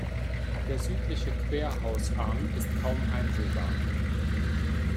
Der südliche Querhausarm ist kaum einsehbar.